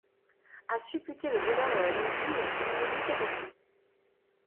A supputer le bonheur de la jeune fille, il le goûtait aussi.